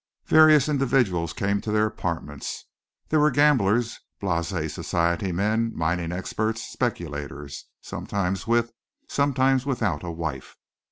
Various individuals came to their apartments. There were gamblers, blasé society men, mining experts, speculators, sometimes with, sometimes without a wife.